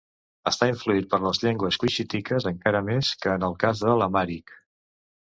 Està influït per les llengües cuixítiques, encara més que en el cas de l'amhàric.